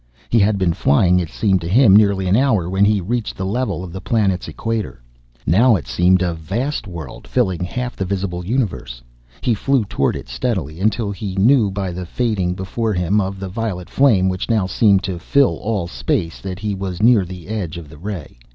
He had been flying, it seemed to him, nearly an hour when he reached the level of the planet's equator. Now it seemed a vast world, filling half the visible universe. He flew toward it steadily, until he knew, by the fading before him of the violet flame which now seemed to fill all space, that he was near the edge of the ray.